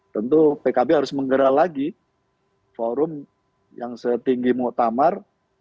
tentu pkb harus menggerak lagi forum yang setinggi muktamar